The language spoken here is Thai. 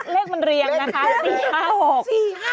เลขมันเรียงนะครับ๔๕๖